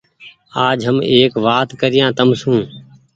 آج هم ايڪ وآت ڪريآن تم سون ۔